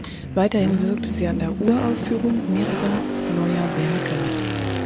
Weiterhin wirkte sie an der Uraufführung mehrerer neuer Werke mit.